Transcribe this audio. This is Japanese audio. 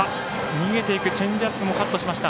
逃げていくチェンジアップもカットしました。